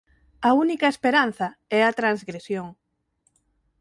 A única esperanza é a transgresión".